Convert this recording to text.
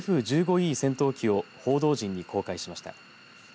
Ｅ戦闘機を報道陣に公開しました。